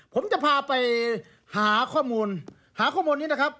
ผมจะพาไปหาข้อมูลหาข้อมูลนี้นะครับ